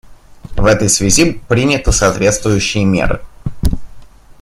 В этой связи приняты соответствующие меры.